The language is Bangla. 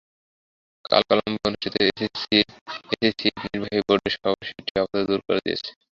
কাল কলম্বোয় অনুষ্ঠিত এসিসির নির্বাহী বোর্ডের সভা সেটি আপাতত দূর করে দিয়েছে।